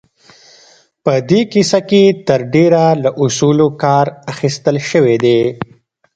په دې کيسه کې تر ډېره له اصولو کار اخيستل شوی دی.